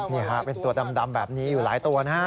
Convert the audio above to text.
นี่ฮะเป็นตัวดำแบบนี้อยู่หลายตัวนะฮะ